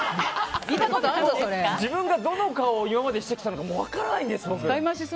自分がどの顔をしてきたか分からないんです。